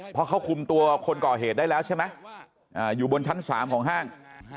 เพราะเขาคุมตัวคนก่อเหตุได้แล้วใช่ไหมอยู่บนชั้น๓ของห้าง